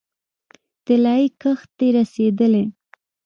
طلايي کښت دې رسیدلی